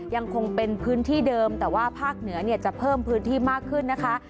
ยังคงเป็นพื้นที่เดิมแต่ว่าภาคเหนือเนี่ยจะเพิ่มพื้นที่มากขึ้นนะคะ